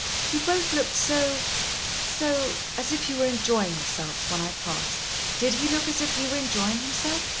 "You both looked so so as if you were enjoying yourselves when I passed." "Did he look as if he were enjoying himself?